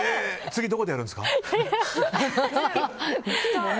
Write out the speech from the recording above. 次どこでやるんですか？